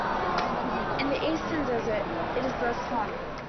In the eastern desert, it is less hot.